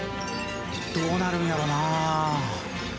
どうなるんやろうなあ。